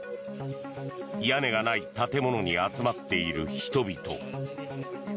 屋根がない建物に集まっている人々。